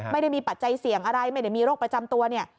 ไม่ได้มีปัจจัยเสี่ยงอะไรไม่ได้มีโรคประจำตัวเนี่ย